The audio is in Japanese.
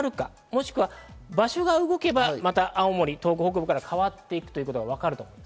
もしくは場所が動けば、また青森、東北北部から変わっていくのがわかる。